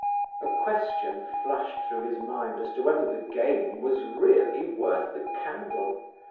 A question flashed through his mind as to whether the game was really worth the candle.